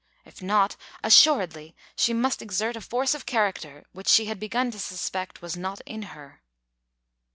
If not, assuredly she must exert a force of character which she had begun to suspect was not in her.